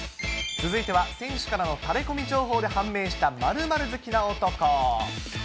続いては選手からのタレコミ情報で判明した○○好きな男。